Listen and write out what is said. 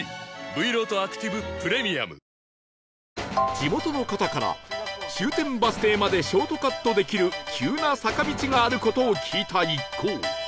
地元の方から終点バス停までショートカットできる急な坂道がある事を聞いた一行